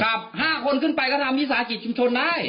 ครับห้าคนขึ้นไปก็ทำที่ศาสตร์กิจชุมชนได้